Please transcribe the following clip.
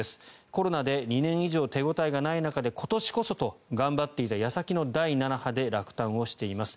コロナで２年以上手応えがない中で今年こそと頑張っていた矢先の第７波で落胆しています。